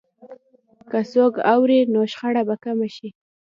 که څوک اوري، نو شخړه به کمه شي.